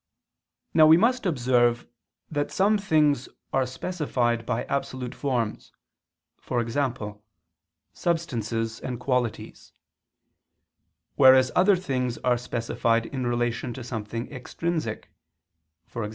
Now we must observe that some things are specified by absolute forms, e.g. substances and qualities; whereas other things are specified in relation to something extrinsic, e.g.